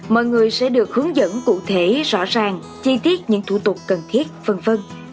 mọi người sẽ được hướng dẫn cụ thể rõ ràng chi tiết những thủ tục cần thiết v v